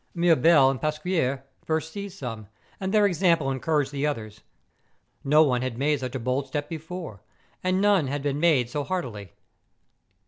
Mirbel and Pas(|uier first seized some, and their example en¬ couraged the others. No one had made such a bold step before; and none had been made so heartily.